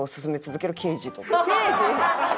刑事？